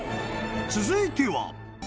［続いては］